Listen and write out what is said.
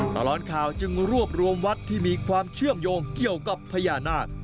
ตลอดข่าวจึงรวบรวมวัดที่มีความเชื่อมโยงเกี่ยวกับพญานาค